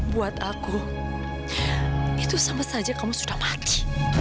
buat aku itu sama saja kamu sudah panci